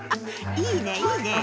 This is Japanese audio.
いいねいいねぇ。